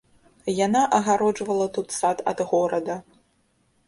Яна адгароджвала тут сад ад горада.